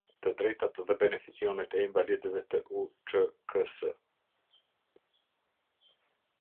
Të drejtat dhe beneficionet e invalidëve të UÇK-së.